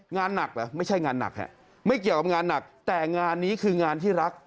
งานหนักเหรอไม่ใช่งานหนักฮะไม่เกี่ยวกับงานหนักแต่งานนี้คืองานที่รัก